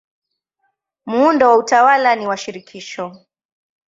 Muundo wa utawala ni wa shirikisho.